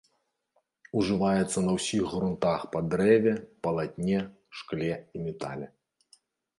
Ужываецца на ўсіх грунтах па дрэве, палатне, шкле і метале.